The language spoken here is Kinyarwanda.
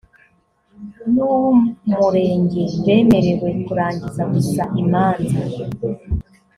n uw umurenge bemerewe kurangiza gusa imanza